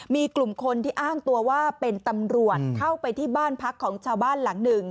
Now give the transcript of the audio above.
มีกลุ่มคนที่อ้างตัวว่าเป็นตำรวจเข้าไปที่บ้านพักของชาวบ้านหลังหนึ่ง